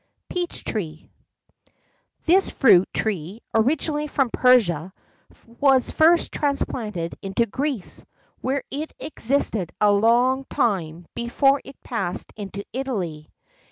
DUTOUR. PEACH TREE. This fruit tree, originally from Persia, was first transplanted into Greece,[XII 64] where it existed a long time before it passed into Italy.